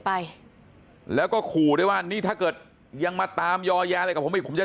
ไปแล้วก็ขู่ด้วยว่านี่ถ้าเกิดยังมาตามยอยาอะไรกับผมอีกผมจะ